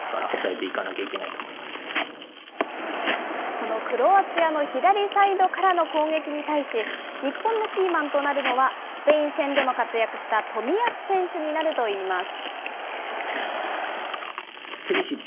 このクロアチアの左サイドからの攻撃に対し、日本のキーマンとなるのが、スペイン戦でも活躍した冨安選手になるといいます。